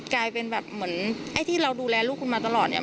กลายเป็นแบบเหมือนไอ้ที่เราดูแลลูกคุณมาตลอดเนี่ย